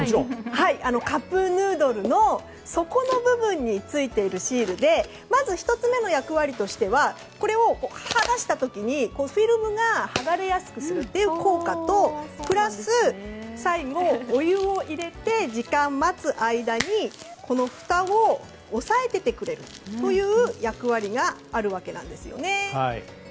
カップヌードルの底の部分についているシールでまず１つ目の役割としてはこれを剥がした時にフィルムが剥がれやすくするっていう効果とプラス、お湯を入れた時に時間を待つ間にこのふたを押さえていてくれる役割があるわけなんですよね。